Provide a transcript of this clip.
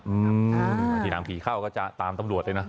อืมที่น้ำผีเข้าก็จะตามตำรวจเลยนะ